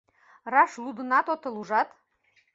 Раш лудынат отыл, ужат.